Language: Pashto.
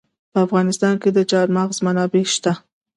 په افغانستان کې د چار مغز منابع شته.